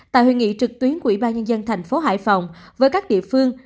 tại hội nghị trực tuyến của ủy ban nhân dân thành phố hải phòng với các địa phương